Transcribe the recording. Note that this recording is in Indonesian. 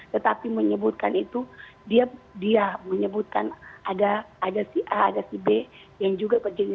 tetapi menyebutkan itu dia menyebutkan ada si a ada si b yang juga jenis kelanin perempuan yang ada bersama dia